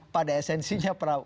pada esensinya prabowo